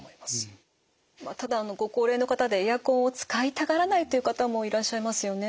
ただご高齢の方でエアコンを使いたがらないという方もいらっしゃいますよね。